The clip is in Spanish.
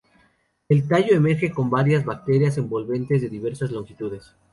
El tallo emerge con varias brácteas envolventes de diversas longitudes.